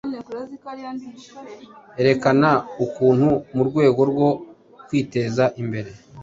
Erekana ukuntu mu rwego rwo kwiteza imbere